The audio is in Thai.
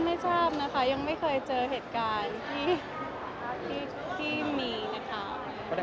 ก็ไม่ซาบอย่างไม่เคยเจอเหตภัณฑ์ที่มีนะคะ